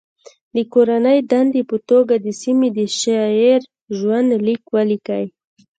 د کورنۍ دندې په توګه د سیمې د شاعر ژوند لیک ولیکئ.